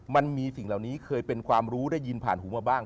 มันมีสิ่งเหล่านี้เคยเป็นความรู้ได้ยินผ่านหูมาบ้าง